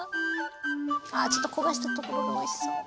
ああちょっと焦がしたところがおいしそう！